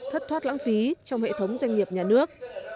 thất thoát lãng phí trong hệ thống doanh nghiệp nhà nước